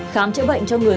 khám chữa bệnh cho người